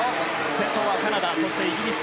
先頭はカナダそしてイギリス